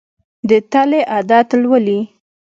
د تلې عدد لولي.